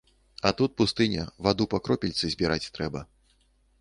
А тут пустыня, ваду па кропельцы збіраць трэба.